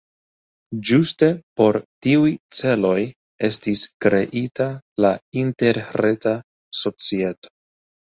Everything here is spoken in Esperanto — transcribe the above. Ĝuste por tiuj celoj estis kreita la Interreta Societo.